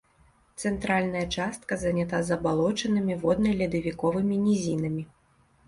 Цэнтральная частка занята забалочанымі водна-ледавіковымі нізінамі.